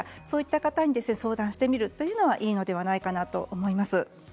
そういった方に相談してみるというのはいいのではないかなと思います。